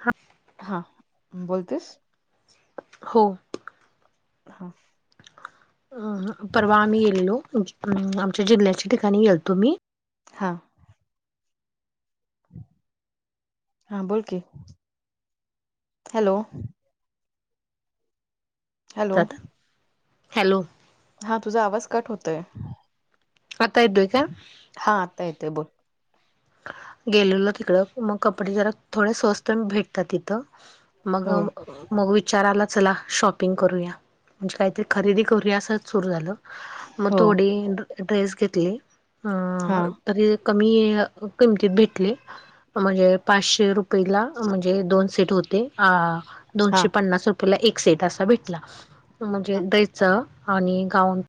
हा. हा बोलतोयस हो. हा. अंह‌. परवा आम्ही गेलेलो अं आमच्या जिल्ह्याच्या ठिकाणी गेलतो मी. हां. हा बोल कि. हॅलो? Hello [inaudible] hello? हा तुझा आवाज कट होतोय. आता येतोय का? हा आता येतेय बोल. गेलेलो तिकडं, मग कपडे जरा थोडे स्वस्त भेटतात तिथं मग, हो मग विचार आला चला, शॉपिंग करूया. म्हणजे, काहीतरी खरेदी करूया असं सुरू झालं, मग हो थोडी ड्रेस घेतली. अ हा तरी कमी किमतीत भेटले, म्हणजे पाचशे रुपयेला म्हणजे, दोन सेट होते, हा दोनशे पन्नास रुपये ला एक सेट असा भेटला, म्हणजे हा ड्रेसच आणि गाउन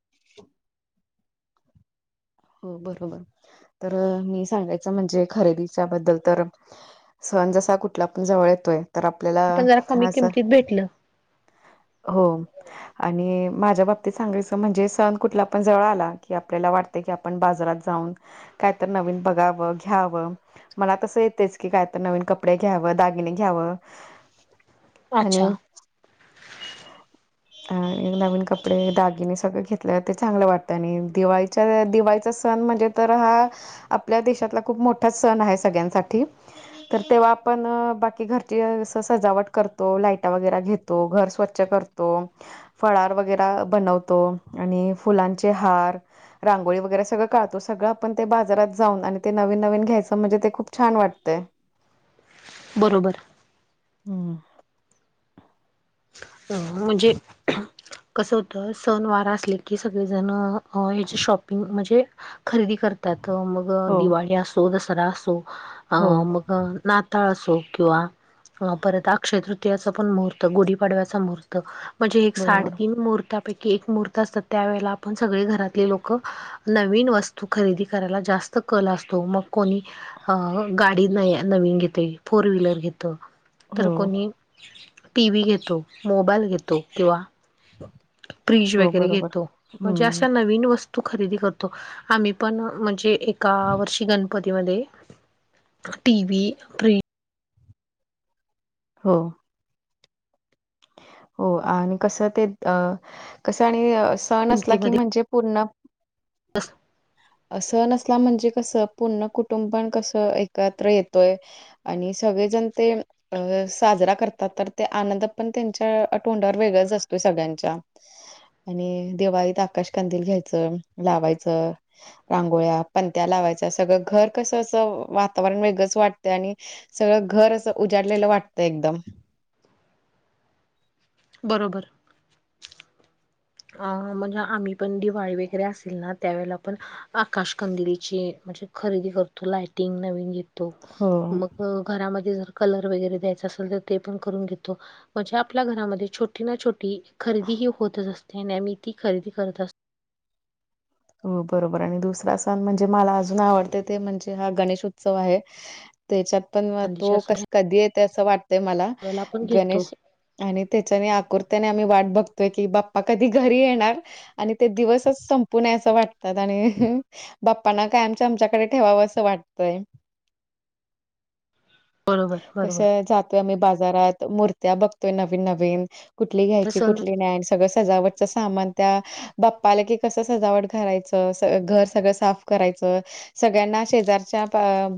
हो बरोबर, तर मी सांगायचं म्हणजे, खरेदीच्या बद्दल तर सण जसा कुठला पण जवळ येतोय तर आपल्याला पण जरा कमी खास किमतीत भेटलं. हो आणि माझ्या बाबतीत सांगायचं म्हणजे सण कुठला पण जवळ आला की आपल्याला वाट की ते, आपण बाजारात जाऊन कायतर नवीन बघावं, घ्यावं. मनात तसं येतेच की कायतर नवीन कपडे घ्यावं, दागिने घ्यावं. आणि अच्छा. आणि नवीन कपडे, दागिने सगळ घेतले ते चांगलं वाटतं आणि दिवाळीच्या दिवाळीचा सण म्हणजे तर हा आपल्या देशातला खूप मोठा सण आहे सगळ्यांसाठी. तर तेव्हा आपण बाकी घरची असं सजावट करतो. लाईटा वगैर घेतो. तो घर स्वच्छ करतो. फळार वगैरे बनवतो आणि फुलांचे हार रांगोळी वगैरे सगळं काढतो. सगळं आपण ते बाजारात जाऊन आणि ते नवीन नवीन घ्यायचं म्हणजे ते खूप छान वाटतं. तेय बरोबर. हम्म. अ म्हणजे कसं होतं, सण वारा असले की, सगळेजण ह्याच्या शॉपिंग म्हणजे खरेदी करतात मग हो दिवाळी असो. दसरा असो. अ हो मग अ नाताळ असो किंवा परत अक्षय तृतीयाचा पण मुहूर्त गुढी पाडव्याचा मुहूर्त. म्हणजे एक बरोबर साडेतीन मुहूर्तां पैकी एक महूर्त असतात त्या वेळेला आपण सगळे घरातले लोकं नवीन वस्तू खरेदी करायला जास्त कल असतो मग कोणी अ गाडी न नवीन घेते फोर व्हीलर घेतो. तर हो कोणी टी. व्ही. घेतो. मोबाईल घेतो किंवा फ्रीज हो वगैरे बरोबर घेतो. म्हणजे हम्म अशा नवीन वस्तू तू खरेदी करतो आम्ही पण म्हणजे एका वर्षी गण पधमध्ये टी प्र हो हो आणि कस ते अ कसं आणि सण असला की किमतीमध्ये म्हणजे पूर्ण असं नसला म्हणजे कसं पूर्ण कुटुंबण कसं एकत्र येतोय आणि सगळेजण ते अ साजरा करतात तर ते आनंद पण त्यांच्या तोंडावर वेगळाच असतोय सगळ्यांच्या आणि दिवाळीत आकाश कांदील घ्यायचं लावायचं रांगोळ्या पणंत्या लावायच सगळं घर कसं असं वातावरण वेगळंच वाटतं आणि सगळं घर असं उजाडलेलं वाटतं एकदम. बरोबर. अं म्हणजे आम्ही पण दिवाळी वगैरे असेल ना त्यावेळेला पण आकाशकंदलीची म्हणजे खरेदी करतो लायटिंग नवीन घेतो हो. मग. घरामध्ये जर कलर वगैरे द्यायचा असेल तर ते पण करून घेतो म्हणजे आपल्या घरामध्ये छोटं छोटी ना छोटी खरेदी ही होतच असते नेम ती खरेदी करत असते हो बरोबर आणि दुसरा सण म्हणजे मला अजून आवडते ते म्हणजे हा गणेश उत्सव आहे त्याच्यात पण तो चांदीच्या कस कधी येते असं वाटतय मला वेळेला आपण घेतो गणेश आणि त्याच्याने आकुरत्याने आम्ही वाट बघतोय की बाप्पा कधी घरी येणार आणि ते दिवसच संप पुण्या असं वाटतात आणि बाप्पांना काय आमच्या आमच्याकडे ठेवावं असं वाटतय बरोबर [inaudible] कस बरोबर जातोय आम्ही बाजारात मूर्त्या बघतोय नवीन नवीन कुठली तर घ्यायची सण कुठली नाही सगळं सजावटच सामान त्या बाप्पाला की कस सजावट घालायचं घर सगळं साफ करायचं सगळ्यांना शेजारच्या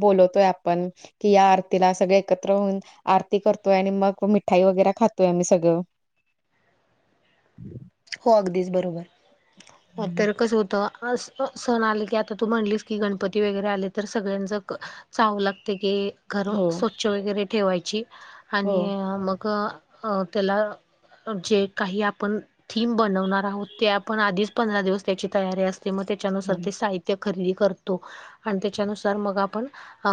बोलवतोय आपण कि या आरतीला सगळ एकत्र होऊन आरती करतोय आणि मग मिठाई वगैरे खातोय मी सगळं ह हो अगदीच बरोबर हं. तर कसं होतं आ सण आले की आता तू म्हणलीस की गणपती वगैरे आले तर सगळ्यांच चावू लागते की घर हो, स्वच्छ वगैरे ठेवायची हो, आणि मग अ त्याला जे काही आपण थीम बनवणार आहोत ते आपण आधीच पंधरा दिवस त्याची तयारी असते मग त्याच्यानुसार हो, ते साहित त्या खरेदी करतो आणि त्याच्यानुसार मग आपण अ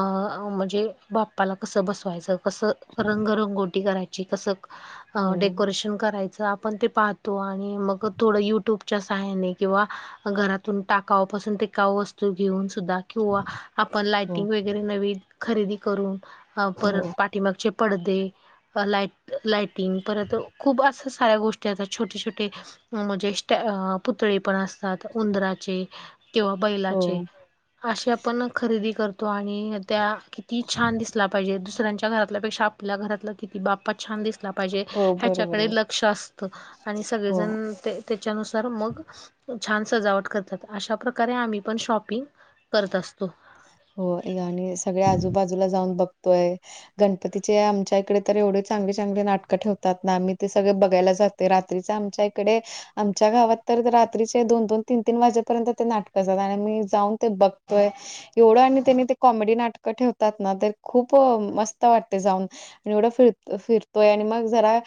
म्हणजे बाप्पाला कस बसवायचं कसं रंगरंगोटी करायची कसं हो, डेकोरेशन करायचं आपण ते पाह तो आणि मग थोडं युट्यूबच्या सहाय्याने किंवा घरातून टाकावापासून टिकाव वस्तू घेऊन सुद्धा किंवा आपण हो, लाटिंग वगैरे नवी खरेदी करून हो, परत मगचे पडदे लाट लाटिंग परत खूप अस साऱ्या गोष्टी छोटे छोटे म्हणजे स पुतळे पण असतात उंदराचे किंवा बैलाचे हो, असे आपण खरेदी करतो तो आणि त्या किती छान दिसला पाहिजे दुसऱ्यांच्या घरातल्यापेक्षा आपल्या घरातलं किती बाप्पा छान दिसला पाहिजे हो बरोबर ह्याच्याकडे आहे. लक्ष असतं आणि हो. सगळेजण त्याच्यानुसार मग छान सजावट करतात अशा प्रकारे आम्ही पण शॉपिंग करत असतो हो आणि सगळे्या आजूबाजूला जाऊन बघतोय गणपतीचे आमच्या इकडे तर एवढे चांगले चांगले नाटकं ठेवतात ना आम्ही ते सगळे बघायला जात ते रात्रीच आमच्या इकडे आमच्या गावात तर रात्रीचे दोन दोन तीन तीन वाजेपर्यंत ते नाटकं असतात. आणि मी जाऊन ते बघ होय एवढं आणि त्यांनी ते कॉमेडी नाटकं ठेवतात ना तर खूप मस्त वाटतय जाऊन आणि एवढं फिर फिरतोय आणि मग जरा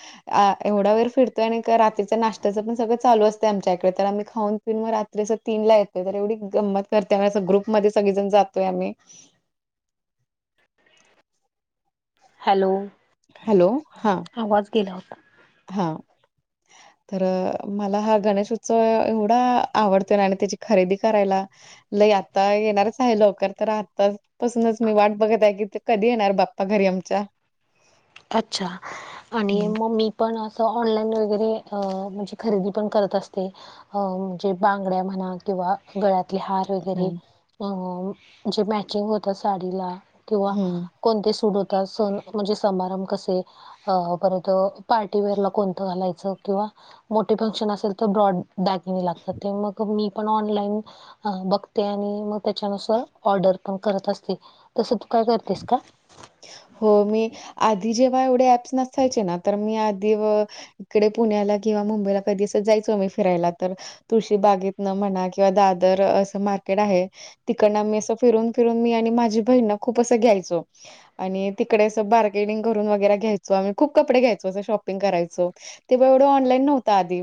अ एवढा वेर फिरतोय आणि रात्रीच् नाश्त्याच् पण सगळं चालू असतय आमच्या इकड. तर आम्ही खाऊन फ मग रात्री अस तीन ला येतोय, तर एवढी गंमत करते अस ग्रुप मध्ये सगळी जण जातोय आम्ही हॅलो. हॅलो हा. आवाज गेला होता. हा. तर मला हा गणेश उत्सव एवढा आवडतो आणि त्याची खरेदी करायला लई आता येणारच आहे लवकर तर आताच पासूनच मी वाट बघत आहे की ते कधी येणार बाप्पा घरी आमच्या. अच्छा आणि हम्म म मी पण असं ऑनलाईन वगैरे अ म्हणजे खरेदी पण करत असते. अ- म्हणजे बांगड्या म्हणा किंवा गळ्यातले हार वगैरे हम्म. अ- जे मॅचिंग होत साडीला किंवा हम्म कोणते सूट होतात, सण म्हणजे समारंभ कसे अ- परत पार्टीवेअर ला कोणतं घालायचं किंवा मोठे फंक्शन असेल तर ब्रॉड दागिने लागतात ते मग मी पण ऑनलाईन बघते आणि मग त्याच्यानुसार ऑर्डर पण करत असते. तसं तू काय करतेस का? हो मी आधी जेव्हा एवढे ऍप्स नसायचे ना, तर मी आधी इकडे पुण्याला किंवा मुंबईला कधी दिस जायचो आम्ही फिरायला तर तुळशी बागेतन म्हणा किंवा दादर असं मार्केट आहे. तिकडन मी असं फिरून फिरून मी आणि माझी बहीणना खूप असं घ्यायचो. आणि तिकडे असं बार्गेनिंग करून वगैरे घ्यायचो, आम्ही खूप कपडे घ्यायचो असं शॉपिंग करायचो. तेव्हा एवढं ऑनलाईन नव्हतं आधी,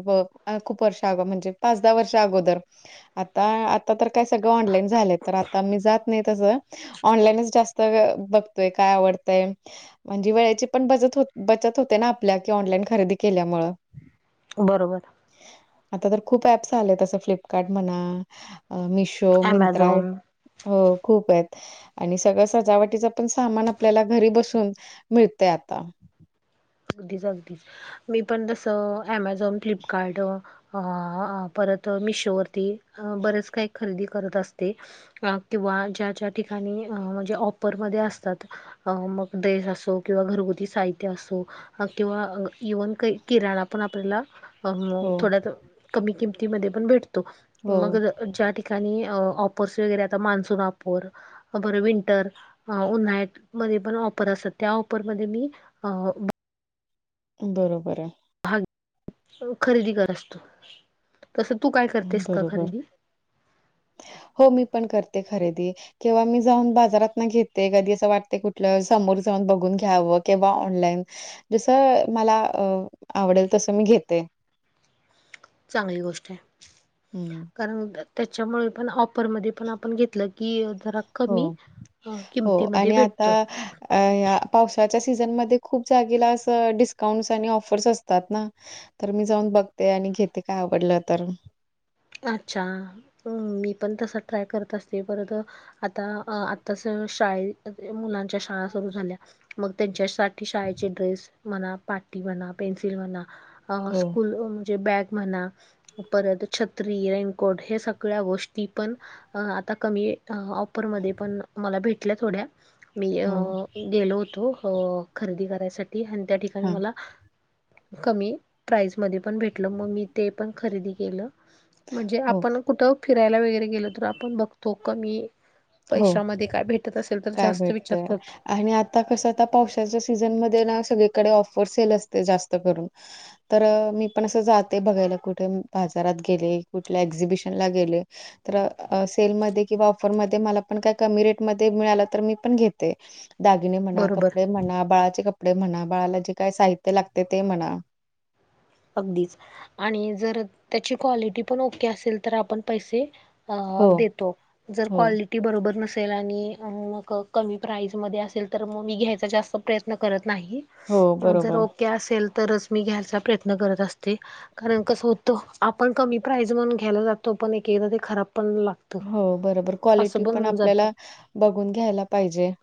खूप वर्षग म्हणजे पाच दहा वर्ष अगोदर. आता आता तर काय सगळं ऑनलाईन झालंय, तर आता मी जात नाही तस. ऑनलाईनच जास्त बघतोय काय आवडतंय म्हणजे वेळेची पण बत बचत होते ना आपल्या कि ऑनलाईन खरेदी केल्यामूळ. बरोबर. आता तर खूप ऍप्स आलेत, तसं फ्लिपकार्ट म्हणा, मिशो मिशो, मित्रां ॲमेझॉन अ खूप हायत. आणि सगळं सजावटीचा पण सामान आपल्याला घरी बसून मिळतय आता. अगदीच अगदीच, मी पण जसं अमेझॉन, फ्लिपकार्ड परत मिशोवरती बरेच काही खरेदी करत अस ते. किंवा ज्या ज्या ठिकाणी म्हणजे ऑपरमध्ये असतात अ -मग ड्रेस असो किंवा घरगुती साहित्य असो किंवा इव्हन काही किराणा पण आपल्याला हो अ कमी किमतीमध्ये पण भेटतो. हो मग ज्या ठिकाणी ऑपर्स वगैरे आता मान्सून ऑपर, बर विंटर उन्हाळ्यात मध्ये पण ऑपर असतात, त्या ऑफरमध्ये मी अ बरोबराय. खरेदी कर असतो. तसं तू काय करतेस का बरोबर. खरेदी? हो मी पण करते खरेदी. किंवा मी जाऊन बाजारात ना घेते कधी असं वाटतय कुठलं समोर जाऊन बघून घ्यावं किंवा ऑनलाईन जसं मला अ आवडेल तसं मी घेते चांगली गोष्ट आहे हम्म कारण त्याच्यामुळे पण ऑफरमध्ये पण आपण घेतलं की जरा हो, कमी हो किमतीमध्ये आणि आता भेटत. अ- ह पावसाच्या सीझनमध्ये खूप जागेला अस, डिस्काउंट्स आणि ऑफर्स असतात ना. तर मी जाऊन बघते आणि घेते काय आवडलं तर अच्छा मी पण तस ट्राय करत असते ब आता आता शाळे मुलांच्या शाळा सुरू झाल्या मग त्यांच्यासाठी ठी शाळेचे ड्रेस म्हणा पाटी म्हणा पेन्सिल म्हणा अ हो, स्कूल म्हणजे बॅग म्हणा परत छत्री रेनकोट हे सगळ्या गोष्टी पण आता कमी ऑफर म पण मला भेटल्या थोड्या मी अ हो. गेलो होतो अ खरेदी करायसाठी आणि त्या ठिकाणी हां. मला कमी प्राईसमध्ये पण भेटलं मग मी ते पण खरेदी केलं म्हणजे हो, आपण कुठं फिरायला वगरे गेल तर आपण बघतो कमी हो. पैशामध्ये काय भेटत असेल तर काय जास्त विचार भेटतय करतो आणि आता कसं आता पावसाच्या सीझनमध्येध्ये ना सगळीकडे ऑफर्स येल असते जास्त करून तर मी पण असं जाते बघायला कुठे बाजारात गेले कुठल्या एक्झिबिशन ला गेले तर सेलमध्ये किंवा ऑफरमध्ये मला पण काही कमी रेटमध्ये मिळालं तर मी पण घेते दागिने म्हणा बरोबर कपडे म्हणा बाळाचे कपडे म्हणा बाळाला जे काय साहित्य लागते ते म्हणा अगदीच आणि जर त्याची क्वालिटी पण ओके असेल तर आपण पैसे अ हो देतो जर हो क्वालटी ती बरोबर नसेल आणि मग कमी प्राईजमध्ये असेल तर मग मी घ्यायचा जास्त प्रयत्न करत नाही हो जर बरोबर ओके असेल तरच मी घ्यायचा प्रयत्न करत असते कारण कसं होतं आपण कमी प्राईज म्हणून घ्यायला जातो पण एक एकदा ते खराब पण लागत हो बरोबर क्वालिटी पण आपल्याला बघून घ्यायला पाहिजे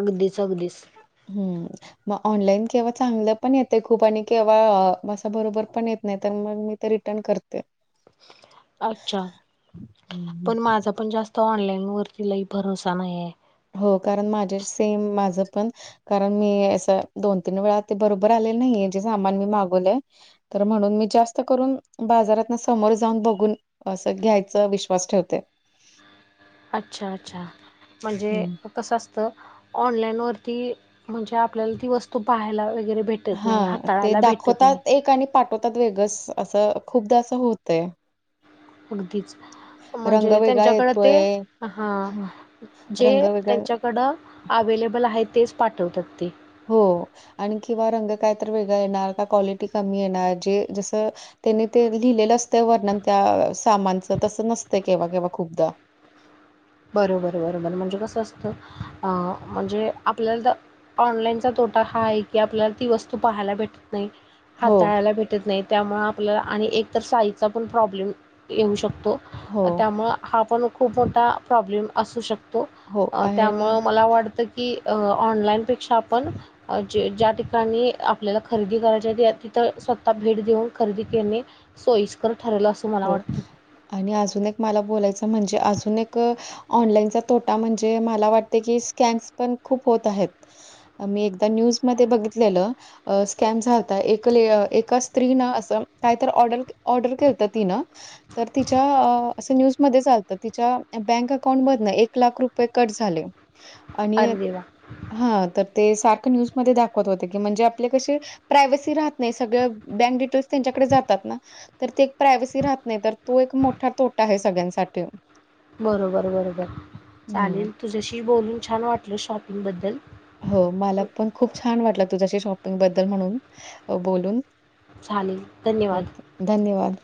अगदीच अगदीच हम्म मग ऑनलाईन केव्हा चांगलं पण येत खूप आणि केव्हा असं बरोबर पण येत नाही तर मग मी ते रिटर्न करते अच्छा हं, हं. पण माझा पण जास्त तो ऑनलाईन वरतीलाही भरोसा नाही आहे हो कारण माझे सेम माझं पण कारण मी असं दोन तीन वेळा ते बरोबर आलेलं नाही जे सामान मी मागवलेय तर म्हणून मी जास्त करून बाजारात ना समोर जाऊन बघून असं घ्यायचं विश्वास ठेवते अच्छा अच्छा म्हणजे हं. कसं असतं ऑनलाईनवरती म्हणजे आपल्याला ती वस्तू पाहायला वगैरे भेटत नाही हां, ते हाताळायला भेटत नाही दाखवतात एक आणि पाठवतात वेगं असं खूपदा असं होतय अगदीच रंग म्हणजे वेगळा त्यांच्याकडे ते येतोय, हा हं, जे रंग वेगळा त्यांच्या कडं अवेलेबल आहे तेच पाठवतात ते हो आणि किंवा रंग काय तर वेगळा येणार का क्वालिटी कमी येणार जे जसं त्यांनी ते लिहिलेलं असतं वर्णन त्या सामानचं तसं नसतं केव्हा केव्हा खूपदा बरोबर बरोबर म्हणजे कस असतं म्हणजे आपल्याला ऑनलाईन तोटा हा आहे की आपल्याला ती वस्तू पहायला भेटत नाही हो, हाताळायला भेट ेत नाही त्यामुळे आपल्याला आणि एकत साईजचा पण प्रॉब्लेम येऊ शकतो हो, त्यामुळे हा पण खूप मोठा प्रॉब्लेम असू शकतो हो. आणि त्यामुळे मला वाटत की ऑनलाईन पेक्षा आपण जे ज्या ठिकाणी आपल्याला खरेदी करायच्या ते तिथं स्वतः भेट देऊन खरेदी करणे सोयस्कर ठरलेला अस हो आणि अजून एक मला बोलायचं म्हणजे अजून एक ऑनलाईनचा तोटा म्हणजे मला वाटते की स्कन्स पण खूप होत आहेत मी एकदा न्यूज मध्ये बघितलेलं अ स्कॅम झात एक एका स्त्री न असं कायत ऑर्डर ऑर्डर करतात. तन. तर तिच्या असं न्यूजमध्येध्ये चालतं तिच्या बँक अकाउंट मधन एक लाख रुपये कट झाले. आणि. अरे देवा! हा तर ते सारखं न्यूजमध्येध्ये दाखवत होते की म्हणजे आपले कसे. प्रायवसी राहत नाही सगळ बँक डिटेल्स त्यांच्याकडे जातात ना तर ते. प्रायवसी राहत नाही तर तो एक मोठा तोटा आहे सगळ्यांसाठी बरोबर बरोबर हो. चालेल तुझ्याशी बोलून छान वाटलं शॉपिंग बद्दल हो मला पण खूप छान वाटलं तुझ्याशी शॉपिंग बद्दल म्हणून बोलून.. चालेल धन्यवाद ओके. धन्यवाद